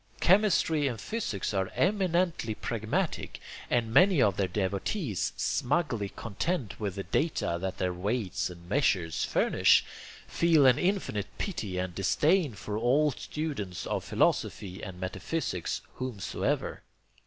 Chemistry and physics are eminently pragmatic and many of their devotees, smugly content with the data that their weights and measures furnish, feel an infinite pity and disdain for all students of philosophy and meta physics, whomsoever.